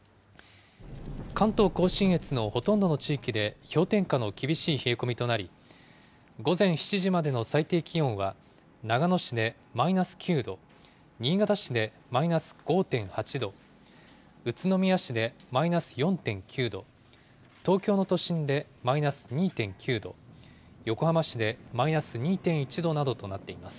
関東甲信越のほとんどの地域で氷点下の厳しい冷え込みとなり、午前７時までの最低気温は、長野市でマイナス９度、新潟市でマイナス５．８度、宇都宮市でマイナス４．９度、東京の都心でマイナス２．９度、横浜市でマイナス２．１度などとなっています。